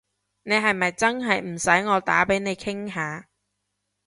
你係咪真係唔使我打畀你傾下？